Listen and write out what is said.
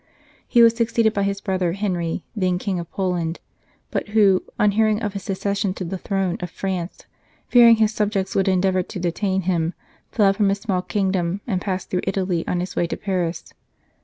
He was succeeded by his brother Henry, then King of Poland, but who, on hearing of his acces sion to the throne of France, fearing his subjects would endeavour to detain him, fled from his small kingdom and passed through Italy on his way to Paris.